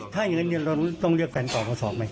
ถ้าอย่างนั้นเราต้องเรียกแฟนเก่ามาสอบไหม